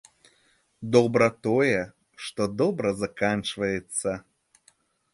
Добра тое, што добра заканчваецца.